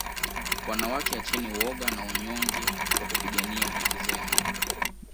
wanawake acheni woga na unyonge wa kupigania haki zenu